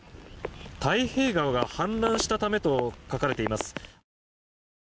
太平川が氾濫したためと書かれています。